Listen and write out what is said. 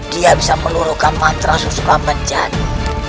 dia bisa meluruhkan mantra susukan bencana